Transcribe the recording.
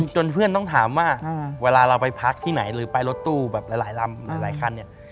จนเพื่อนต้องถามว่าเวลาเราไปพักที่ไหนหรือไปรถตู้แบบหลายลำหลายคันเนี่ย